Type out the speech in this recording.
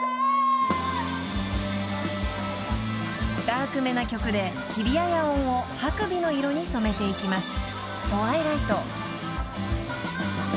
［ダークめな曲で日比谷野音をＨａｋｕｂｉの色に染めていきます］